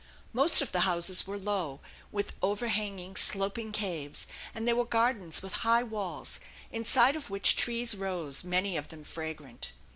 Most of the houses were low, with overhanging, sloping caves; and there were gardens with high walls, inside of which trees rose, many of them fragrant.